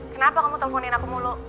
kenapa kamu telponin aku mulu